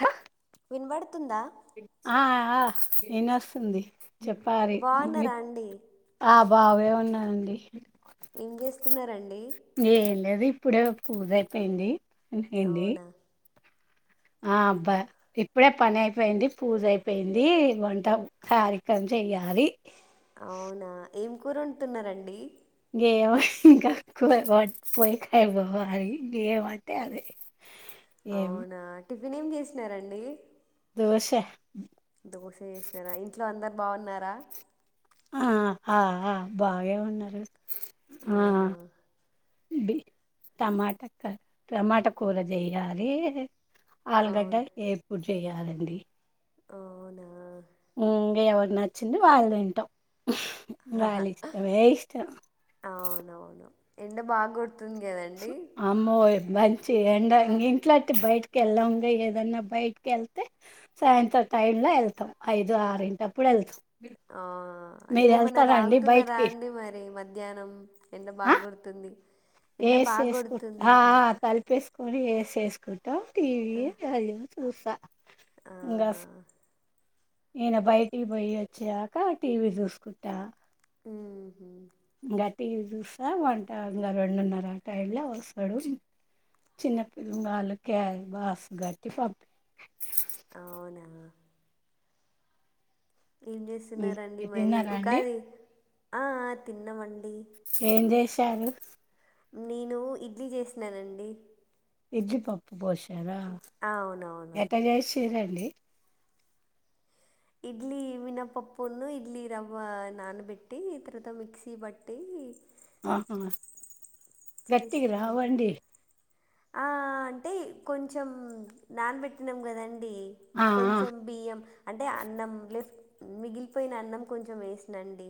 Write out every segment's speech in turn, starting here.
హ వినబడుతోంద ఆ ఆ నేను వస్తుంది చెప్పాలి బాగున్నారా అండి ఆ బాగే ఉన్నాండి ఏం చేస్తున్నారండి ఏం లేదు ఇప్పుడే పూజ అయిపోయింది ఏంది అవునా ఆ అబ్బా ఇప్పుడే పని అయిపోయింది పూజ అయిపోయింది వంట కార్యక్రమం చెయ్యాలి అది అవునా ఏం కూరొండుతున్నారండి ఏమో ఇంకా కూర వండాలి ఇంకా ఏమంటే అదే ఏం అవునా టిఫిన్ ఏం చేసినారండి దోసె దోస చేసినారా ఇంట్లో అందరు బావున్నారా ఆ ఆ బాగే ఉన్నారు ఆ అవునా బి టమాట టమాటా కూర చేయ్యాలి ఆల్గడ్ అవును ఏపుడి చేయాలండి అవునా ఇంకా ఎవరు నచ్చింది వాళ్ళు తింటాం వాల ఇష్టే ఇష్టం అవునవును ఎండ బాగా గోడ అవున్ కదండి అమ్మోయ్! మంచి ఎండ ఇంగా ఇంట్లోట్టి బయటకి వెళ్దాము ఏదన్నా బయటకి వెళ్తే సాయంత్రం టై లో వెళ్తాం ఐదు ఆరింటప్పుడు వెళ్తాం ఆ అంటే మన తాగుతున్నారా బయటికి? అండి మరి మ మధ్యాహ్నం ఎండ బా ఆ! కొడుతుంది ఎండ బా కొడుతుంది కదా కుడి ఎసెస్కు టీవీ అ ఊసా ఆహా ఈయన బయటికి పోయి వచ్చినాక టీవీ చూసుకుంటా ఉ గట్టి చూస్తా వంట ఇంగ రెండున్నార టైమ్ ల వస్తడు చిన్న పిల్లంగాలు క బాక్స్ గట్టి పంపి అవునా ఏం చేస్తున్నారండి మరి తిన్నారా అండి ఉగాది ఆ తిన్నమండి ఏం చేసి తారు నేను ఇడ్లీ చేసినానండి ఇడ్లీ పప్పు పోష ఎర ఆ, అవునవును ఎట్టా చేషిర ట్ లే ఇడ్లీ మినపప్పును ఇడ్లీ రవ్వ నానబెట్టి తర్వాత మిక్సీ బట్టి అ చేస్తం అట్ట ఆ అంటే కొంచెం నానబెట్టినాం కదండి ఆ అ ఆ కొంచెం బియ్యం అంటే అన్నం లెఫ్ట్ మిగిలిపోయిన అన్నం కొంచెం వేసినండి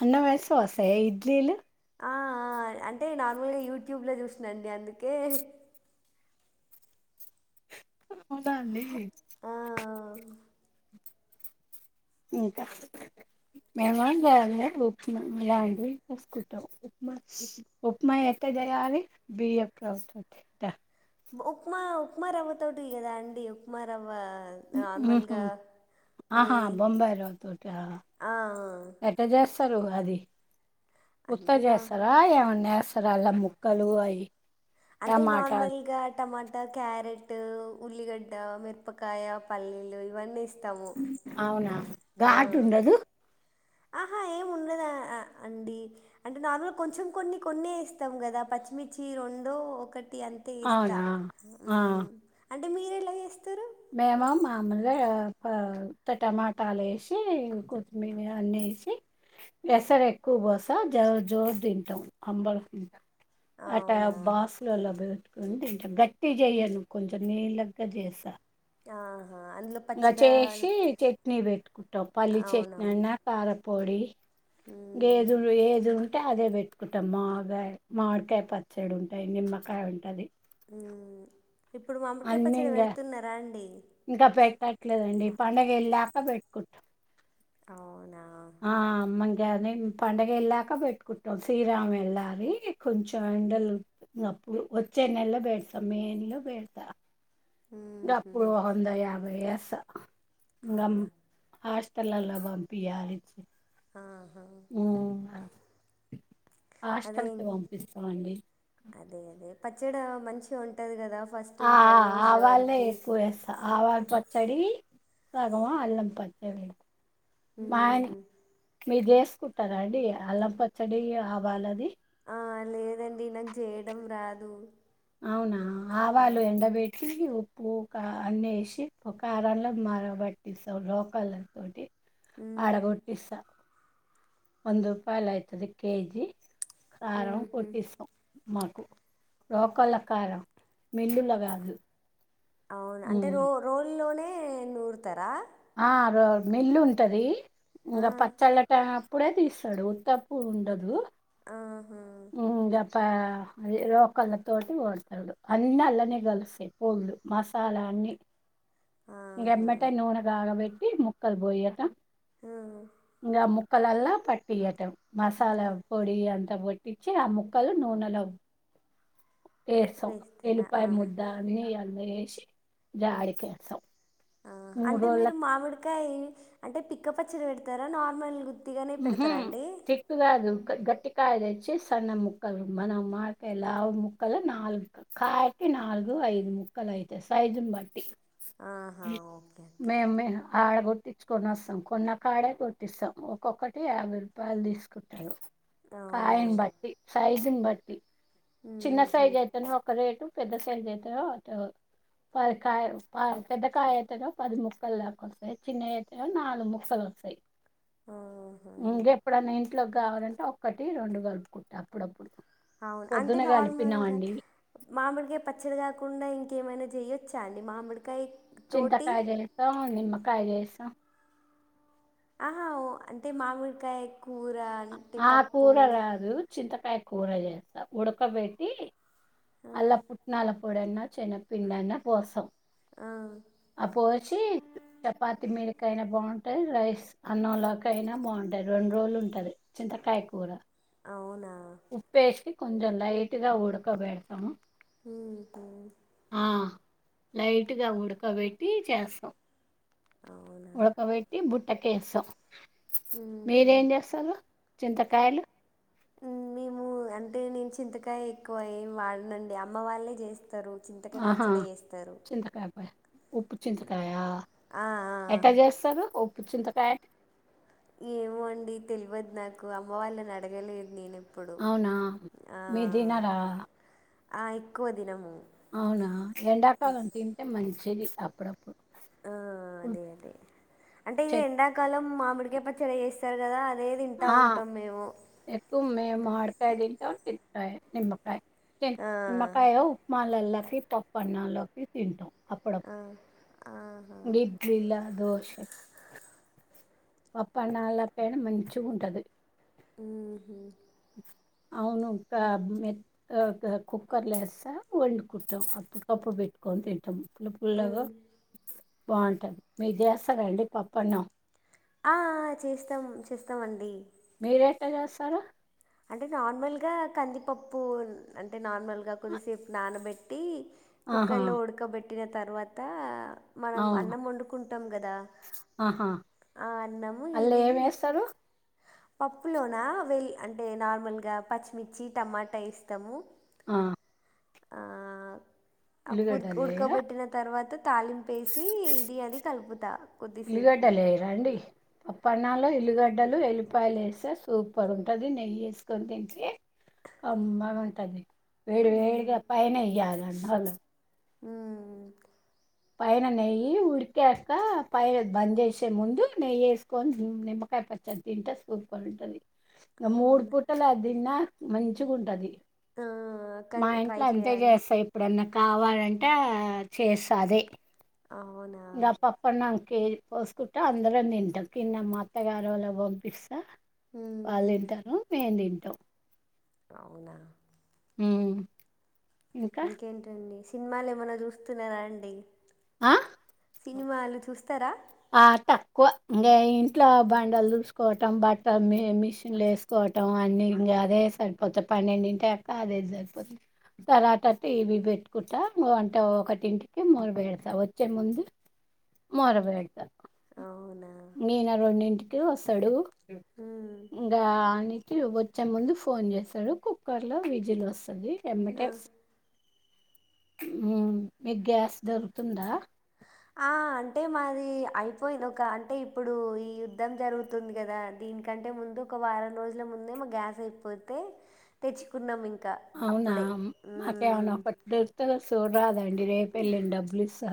అన్నం ఎస్తే వస్తాయా ఇడ్లీలు అ అంటే నార్మల్గా యూట్యూబ్లో చూసాండి అందుకే ఉంట అండి ఆ ఇంకా మేమ ఉప్మాలాంసుకుంటాం ఉప్మా ఉప్మా ఎట్ట చేయాలి బియ్య ప్రతుందిద ఉప్మా ఉప్మా రవ్వ తోటి గదా అండి ఉప్మా రవ్వ నార్మల్గా ఆహా వే బొంబైయి రవ్వతో టా ఆ, ఎట్ట జస్త తరు ఉగాది అంటే ఉత్తది నా చేస్తరా ఎమన్ ఎస్ రాళ్ళ ముక్కలు అయి అంటే నార్మల్ గా టమాటా క్యారెట్ ఉల్లిగడ్డ మిరపకాయ పల్లీలు ఇవన్నిస్ అవునా గాటు ఉండదు ఆహా ఏం ఉండదా అండి అంటే నార్మల్గా కొంచెం కొన్ని కొన్ని ఇస్తాం కదా పచ్చిమిర్చి రెండో ఒకటి ఇగ అంతే ఇస్తా అవునా ఉ మీరు ఎలా చేస్తారు మేమా మామూలుగా ప ఉత్త టమాటాలేసి కొత్తిమీర ఆన్ని ఏసి రసరెక్కువ పోసా జో జోరు తింటాం అందరూ అట్ట అవునా బాస్లులల్ల బోట్ కొని తింటం గట్టిగ చెయ్యను కొంచెం నీళ్ళగ్గా చేసా ఆ ఇంకా చేసి చట్నీ పెట్టుకుంటా పల్లి చట్నీ అవునవును అయినా కార ప్పొడి మ్మ్. గేదుల్ ఏదున్ టే అదే పెట్టుకుంటాం మాగాయ మామిడికాయ పచ్చడుంటాయి నిమ్మకాయ ఉంటది ఊమ్మ్ ఇప్పుడు మామిడికాయ అన్ని పచ్చడ పెడుతున్నారా అండి ట్టట్లేదండి పండగెళ్ళాక పెట్టుకుంటాం అవునా ఆ మంగ్ గానిం పండగెళ్ళాక పెట్టుకుంటాం సీరాం ఎళ్ళాలి కొంచెం ఎండలున్నప్పుడు వచ్చే నెలలో పెడతాం మే నెల్లో పెడతా గప్పుడు మ్మ్హ్. వంద యాభైయ్య స గమ్ అవునా ఆస్ పిల్లల్ల పంపియ్యాలిచ్చి ఆహా. ఉమ్మ్ అదే హాస్టల్కి పంపిస్తమండి పచ్చడ మంచిగా ఉంటది కదా ఫస్ట్ ఆ పది ఆ రోజుల ఆవాలు వరకు ఎక్కువ ఏస్తా ఆవాలు పచ్చడి సగము అల్లం పచ్చడి మా ఆయన ఊహు మీరు చేసుకుంటారా అండి అల్లం పచ్చడి ఆవాలది ఆ లేదండి నాకు చెయ్యడం రాద్ దు అవునా ఆవాలు ఎండబెట్ ఊహూ ఉప్పు కా అన్నీ ఏషి ప్పు కారంలో మరబెట్టిస్తాం రోకళ్ళతోటి ఆడగొట్టిస్తా వంద రూపాయలైతది కేజి కారం కొట్టిస్తం మాకు లోకల్ల కారం మిల్లుల్ల గాదు అవును అంటే రో రోజుల్లోనే అంటే నూరుతరా ఆ రో మెల్లు ఉంటది. ఆ, ఇంగ పచ్చళ్ళట ఇప్పుడే తీస్తడు తక్కువుండదు. ఆహా! ఊ గప్ప రోకల్ల తోటి కోడతాడు. అన్నీ అల్లనే కలుస్తాయి పులు మసాలా అన్నీ ఆహా ఎమ్మటే నూనె కాగబేట్ ట్టీ ముక్కల్ బోయట గా ముక్ క్కలల్లా పట్టియటం. మసాలా పొడి అం [unintelligible] తెచ్చి ఆ ముక్కలు నూనెలో ఎస్సం వేస్తారా ఎల్లిపాయ ఆహా ముద్ద అని అన్ని జాడికేస్సం. ఆ అంటే మీరు మామిడికాయి అంటే పి చ్చపచ్చడి పెడతారా నార్మల్ గు ఉహు చెక్కుగాదు గట్టి కాయ తెచ్చి సన్న ముక్కలు మనం మామిడికాయ లావు ముక్కలు నాలుగు కాయకి నాలుగు ఐదు ముక్కలు అయితయి సైజుని బట్టి ఆహా! ఓకే. ఓకే. మేమ్ మే ఆడగో తెచ్చుకొని వస్తాం కొన్నా కాడే కొట్టిస్తాం ఓ ఒకోక్కటి యాభై రూపాయలు తీసుకుంటారు. అవునా? కాయని బట్టి సైజిన్ బట్ టి. చిన్న హుహు. సైజ్ అయితేనే ఒక్క రేటు పెద్ద సైజు అయితేనో అటు పది కాయ ప పెద్ద కాయ అయితేనో పది ముక్కలు దాకా వస్తాయి చిన్నవి అయితేనో నాలుగు ముక్కలు వస్తాయి. ఆహా! ఇంకెప్పుడన్నా ఇంట్లోకి కావాలంటే ఒక్కటి రెండు కలుపుకుంటా అప్పుడప్పుడు అవును అంటే పొద్దున నార్మల్గా కలిపినామండి మామిడిగాయపచ్చడి కాకుండా ఇంకా. ఏమైనా చేయ్యొచ్చా అండి మామిడికాయ తోటి? చింతకాయ చేస్తాం, నిమ్మకాయ చే స ఆహా! ఓ అంటే మామిడికాయ కూర అంటే ఆ పప్పు. కూర గాదు చింత కాయ కూర చేస్తా ఉడకబెట్టి ఆ! అల్ల పుట్నాల పోడన్న శనగ పిండన్న పోస్సం. ఆ! అపోచ్చి చపాతి మే ఎయినా బాగుంటాయి రైస్ అన్నంలోకైనా అయినా బాగుంటాయి రెండు రోజులు ఉంటది. చింతకాయ కూరా అవునా ఉప్పేసి కొంచెం లైట్ గా ఉడకబెడతాము. ఉహు లైట్ గా ఉడకబెట్టి చేస్తాం. అవునా? ఉడకబెట్టి బుట్ ఏకేేసం మీరేం చేస్తారు? చింతకాయలు ఊ మేము అంటే నేను చింతకాయ ఎక్కువ ఏమి వాడనండి. అమ్మ వాళ్ళే చేస్త స్తారు చింతకాయ ఆహా పచ్చడి వేస్తారు. చింతకాయ ప ఉప్పు చింతకాయా ఆ. ఎట్ట చేస్తారు? చింతకాయ ఏమో అండి తెలివదు నాకు అమ్మ వాళ్ళని అడగలేదు నేను. ఎప్పుడు అవునా ఆ, మీర్ తినరా ఆ ఎక్కువ దినము అవునా ఎండాకాలం తింటే మంచి నే తిన్నాప్పుడప్పుడు ఆ అదే అదే అంటే ఈ చెట్ ఎండాకాలం మా మిడికాయ పచ్చడి చేస్తారు కదా అదే తింటా ఆ ఉంటాం మేము ఎక్కుమె మాడు సైడింట ఉంటాయి నిమ్మకాయ కె ఆ, నిమ్మకాయ ఉప్మా లల్లా పప్పన్నాలోకి తింటాం అప్పడం ఆ, గిడ్లిల్లా దోషే పప్ప అ నాళ పెనా మంచిగాఉంటది. ఊహు అవును క మెత్త కుక్కర్ లస్స వండుకుంటాం. అపుడపుడుకి పెట్టుకుని తింటాం. పుల్లపుల్లగా మ్. బాగుంటది మీరు చేస్తారండి పప్పన్నం అ అ చేస్తాం చేస్తామండి మీరేట్ట చేస్తారు అంటే నార్మల్గా కందిపప్పు అంటే నార్మల్గా కొద్దిసేపు నానబెట్టి ఆహా! కుక్కర్ లో డుకబె పెట్టిన తర్వాత మనం ఆ! అన్నం వండుకుంటాం కదా ఆహా! ఆ అన్నము అల్ల ఇది ఏమేస్తారు? పప్పులోన వెళ్ అంటే నార్మల్గా పచ్చిమిర్చి టమాటా ఎస్తాము ఆ ఆ ఉర్ ఉల్లిగడ్డలు వేయరా ఉడకబెట్టిన తర్వాత తాలింపేసి ఇది అది కలుపు త ఉల్లిగడ్డలెయ్యరండి పప్ప అన్నలో ఉల్లుగడ్డలు ఎల్లిపాయలు వేస్తే సూపర్ ఉంటది నెయ్యి వేసుకొని తింటే కమ్మగా ఉంటది వేడి వేడి మ్మ్. గా పైన ఎయ్యాలా అల ఉమ్ పైన నెయ్యి ఉడికాక పైన బంద్ చేసే ముందు నెయ్యేసుకొని నిమ్మకాయ పచ్చడ తింటే సూపర్ ఉంటది ఇగ మూడు అవునా పుటలా అదిన్న మంచిగా ఉంటది ఆ, కానీ మా ట్రై ఇంట్లో అంతే చేయాలి చేస్తా ఎప్పుడన్న కావాలంటే చేస్త అది అవునా ఇగ పప్పన్నం కే పోసుకుంటా అందరం తింటాం కింద మా అత్తగారు వాళ్ళకి పంపిస్తా ఊహూ. వాళ్ళు తింటారు మేము తింటాం అవునా ఉమ్ ఇంకా ఇంకేంటండి సినిమాలు ఏమన్నా చూస్తున్నార అండి. ఆ సినిమాలు చూస్తారా ఆ తక్కువ ఇంకా ఇంట్లో బండలు దూడుసుకోవటం బట్టలు మిషన్లు వేసుకోవటం అన్ని ఇంగ అదే సరిపోతాంది పన్నెండింటి అకా అదే సరిపోతది తర్వాత టీవీ పెట్టుకుంటా వంట ఒకటింటికి మొదలుపెడతా వచ్చే ముందు మొదలుపె అవునా ఇనా రెండింటికి వస్తాడు మ్మ్. గాని వచ్చే ముందు ఫోన్ చేస్తడు. కుక్కర్ లో విజిల్ వస్తది. ఆ. ఎమ్మటే స్ హ్ మీకు గ్యాస్ దొరుకుతుందా. ఆ అంటే మాది అయిపోయింది. ఒక అంటే ఇప్పుడు ఈ యుద్ధం జరుగుతుంది కదా, దీనికంటే ముందు ఒక వారం రోజుల ముందే మా గ్యాస్ అయిపోతే తెచ్చుకున్నాం ఇంకా అవునా అప్పుడే మ్మ్. మాకేయి [inaudible] చూడరాదు అం డి రేపే ఎళ్ళండి డబ్బులు ఇస్తా.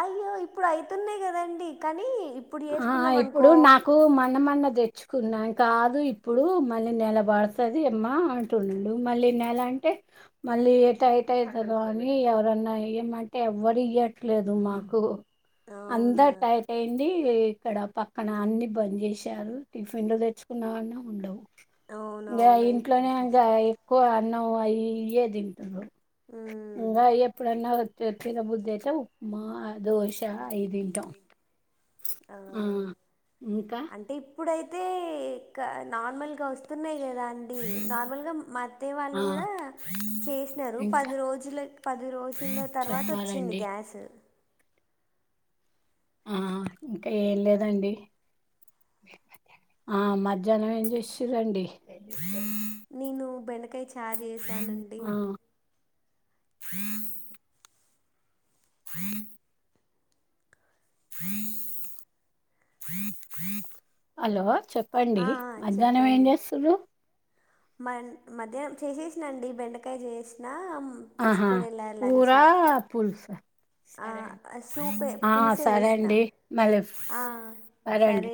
అయ్యో ఇప్పుడు అయితున్నయి కదండి. కానీ ఇప్పుడు ఆహా చేసుకున్నాం ఇప్పుడు అనుకో నాకు మొన్న మొన్న తెచ్చుకున్నా కాదు ఇప్పుడు మళ్ళీ నెల పడుతది అమ్మా అంటుండు. మళ్ళీ నెల అంటే మళ్ళీ ఏ టైట్ అయితదో అనీ ఎవరన్నా ఇయమంటే ఎవరు ఇయ్యట్లేదు మాకు అంత అవునా టైట్ అయి ంది ఇక్కడ పక్కన అన్ని బంద్ చేశారు. టిఫిన్లు తెచ్చుకున్నామన్నా ఉండవు. ఇంగా అవునవును ఇంట్లోనే ఇప్పుడు ఇంగా కష్టం ఎక్కువ అన్నం అయి ఇయే దింటుర్రు. మ్మ్. ఇంగా ఎప్పుడన్నా వచ్చే తిన బుద్ది అయితే ఉప్మా, దోష అయి తింటం. ఆ ఇంకా అంటే ఇప్పుడైతే క నార్మల్ గా వస్తున్నయి. లేదా అండి నార్మల్గా మా అత్తేయ ఆ వాళ్ళు కూడా చేసినరు ఇంకా పది రోజులకి పది రోజుల తర్వాత వచ్చింది చెప్పాలండి గ్యాస్. ఆహా ఇంకా ఏం లేదండి ఆ మధ్యాహ్నం ఏం చేశింరండి. నేను బెండకాయ చ చార్ చేసానండి. హను ఫ హలో చెప్పండి ఆ! మధ్యాహ్నం ఏంచేస్తుర్రు. మ మధ్యాహ్నం చేసేసినండి బెండకాయ చేసినా ఆహా తీసుకొని ఎళ్ళారు లంచ్. కూరా పులుసా. ఆ! సరే సూపే ఆ పులుసే సరే చేసిన. అండి మళ్ళీ ఆ! సరే అండి.